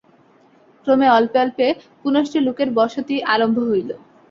ক্রমে অল্পে অল্পে পুনশ্চ লোকের বসতি আরম্ভ হইল।